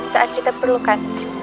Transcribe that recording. saat kita perlukan